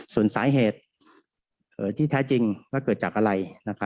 ส่วนสาเหตุที่แท้จริงว่าเกิดจากอะไร